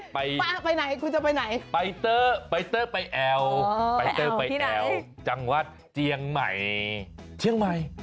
ไปไปไปไหนคุณจะไปไหน